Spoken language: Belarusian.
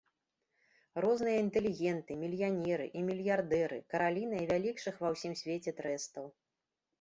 Розныя інтэлігенты, мільянеры і мільярдэры, каралі найвялікшых ва ўсім свеце трэстаў.